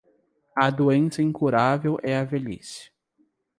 A doença incurável é a velhice.